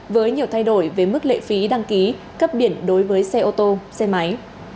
với nhiều thay đổi về mức lệ phí đăng ký cấp biển đối với xe ô tô xe máy